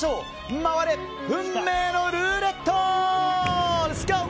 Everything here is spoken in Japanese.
回れ、運命のルーレット！